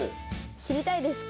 知りたいですか？